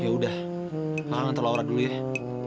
ya udah aku nganter laura dulu ya